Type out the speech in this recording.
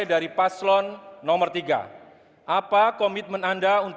bapak bapak ibu sekalian